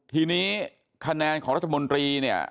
ทีนี้คะแนนของรัฐมนตรีเนี่ย